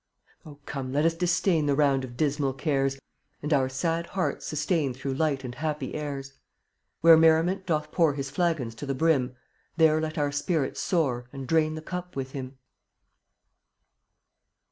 So Oh, come, let us disdain The round of dismal cares, And our sad hearts sustain Through light and happy airs. Where Merriment doth pour His flagons to the brim — There let our spirits soar And drain the cup with him.